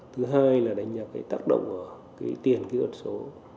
thứ hai là đánh giá cái tác động của cái tiền kỹ thuật số